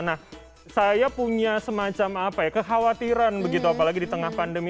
nah saya punya semacam apa ya kekhawatiran begitu apalagi di tengah pandemi